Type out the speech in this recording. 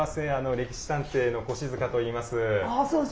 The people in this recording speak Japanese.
「歴史探偵」の越塚といいます。